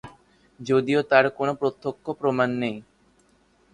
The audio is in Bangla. যদিও তার কোন প্রত্যক্ষ প্রমাণ নেই।